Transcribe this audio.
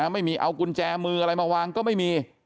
ไม่มีเอากุญแจมืออะไรมาวางก็ไม่มี